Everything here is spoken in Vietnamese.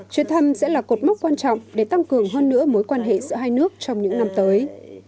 chuyến thăm sẽ là cột mốc quan trọng để tăng cường hơn nữa mối quan hệ giữa hai nước trong những năm tới